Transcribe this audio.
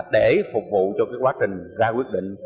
để phục vụ cho quá trình ra quyết định